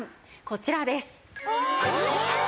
こちらです！